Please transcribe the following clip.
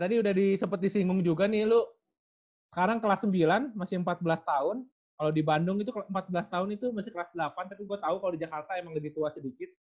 tadi udah disempet disinggung juga nih lu sekarang kelas sembilan masih empat belas tahun kalau di bandung itu empat belas tahun itu masih kelas delapan tapi gue tahu kalau di jakarta emang lebih tua sedikit